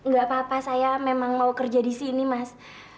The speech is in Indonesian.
gapapa saya memang mau kerja disini mas